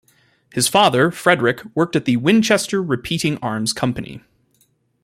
His father, Frederick, worked at the Winchester Repeating Arms Company.